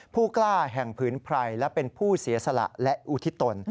ผู้กล้าแห่งผืนไพรและเป็นผู้เสียสละและอุทิศตน